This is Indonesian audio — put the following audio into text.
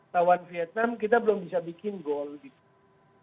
lawan vietnam kita belum bisa bikin gol gitu